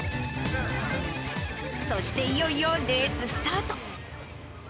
そしていよいよレーススタート。